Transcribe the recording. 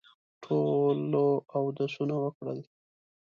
ټولو اودسونه وکړل.